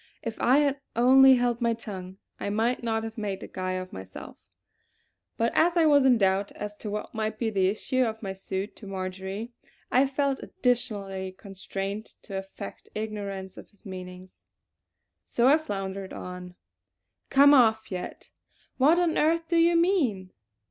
If I had only held my tongue I might not have made a guy of myself; but as I was in doubt as to what might be the issue of my suit to Marjory, I felt additionally constrained to affect ignorance of his meaning. So I floundered on: "'Come off yet'? What on earth do you mean?"